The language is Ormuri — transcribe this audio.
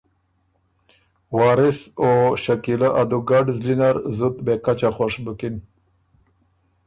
وارث او شکیلۀ ا دُوګډ زلی نر زُت بېکچه خوش بُکِن